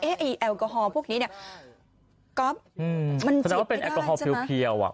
เอ๊ยไอลกอฮอล์พวกนี้เนี้ยก็อืมมันแสดงว่าเป็นแอลกอฮอล์เพียวเพียวอ่ะ